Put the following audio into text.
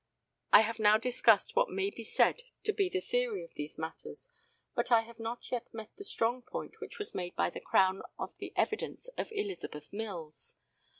I have now discussed what may be said to be the theory of these matters; but I have not yet met the strong point which was made by the Crown of the evidence of Elizabeth Mills.